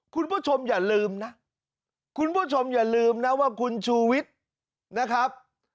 คุณผู้ชมอย่าลืมนะคุณผู้ชมอย่าลืมนะว่าคุณชูวิทย์นะครับ